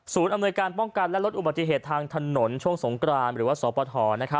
อำนวยการป้องกันและลดอุบัติเหตุทางถนนช่วงสงกรานหรือว่าสปฐ